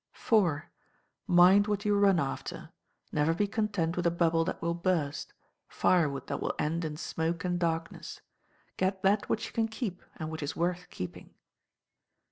iv. Mind what you run after. Never be content with a bubble that will burst firewood that will end in smoke and darkness. Get that which you can keep, and which is worth keeping.